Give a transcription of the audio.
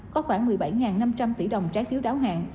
có khoảng một mươi bảy năm trăm linh tỷ đồng trái phiếu đáo hạn